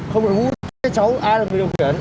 không nội mũ thế cháu ai là người điều khiển